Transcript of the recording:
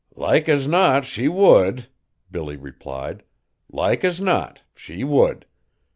"Like as not she would!" Billy replied, "like as not she would.